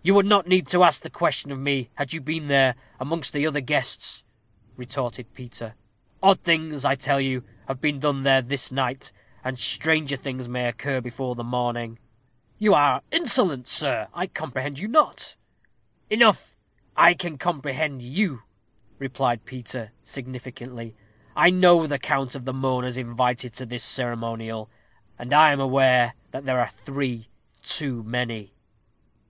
"You would not need to ask the question of me, had you been there, amongst the other guests," retorted Peter. "Odd things, I tell you, have been done there this night, and stranger things may occur before the morning." "You are insolent, sirrah! I comprehend you not." "Enough! I can comprehend you," replied Peter, significantly; "I know the count of the mourners invited to this ceremonial, and I am aware that there are three too many."